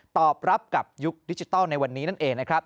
ตอบรับกับยุคดิจิทัลในวันนี้นั่นเองนะครับ